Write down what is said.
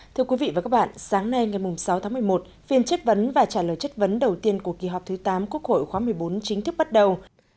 thưa quý vị và các bạn sáng nay ngày sáu tháng một mươi một phiên chất vấn và trả lời chất vấn đầu tiên của kỳ họp thứ tám quốc hội khóa một mươi bốn chính thức bắt đầu